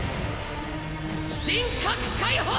人格解放！